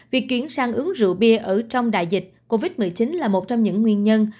việc kiến sáng ứng rượu bia ở trong đại dịch covid một mươi chín là một trong những nguyên nhân